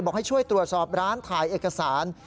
ให้ช่วยตรวจสอบร้านถ่ายเอกสาร